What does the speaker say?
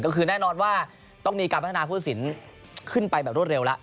ก็คือแน่นอนว่าต้องมีการพัฒนาผู้สินขึ้นไปแบบรวดเร็วแล้ว